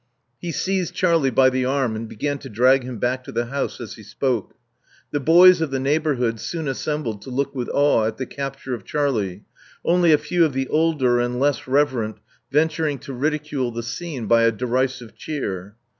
'* He seized Charlie by the arm, and began to drag him back to the house as he spoke. The boys of the neighbor hood soon assembled to look with awe at the capture of Charlie, only a few of the older and less reverent venturing to ridicule the scene by a derisive cheer.